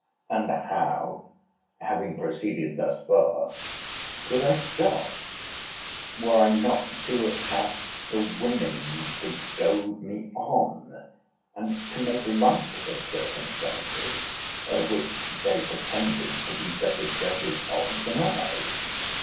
—And how, having proceeded thus far, could I stop, were I not to have had the women to goad me on, and to make light of circumstances, which they pretended to be better judges of than I?